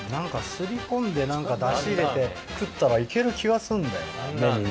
すり込んで何か出汁入れて食ったら行ける気はすんだよな。